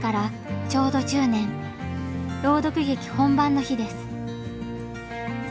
朗読劇本番の日です。